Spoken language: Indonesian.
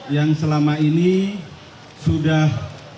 yang selama ini sudah